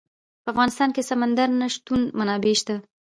په افغانستان کې د سمندر نه شتون منابع شته.